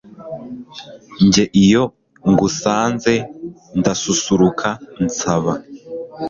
njye iyo ngusanze, ndasusuruka nsaba